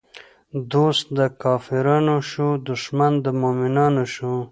دوست د کافرانو شو، دښمن د مومنانو شو